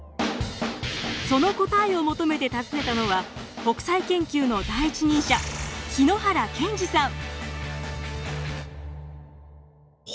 その答えを求めて訪ねたのは北斎研究の第一人者日野原健司さん。